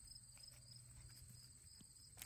غوږونه د زړه دروازه ده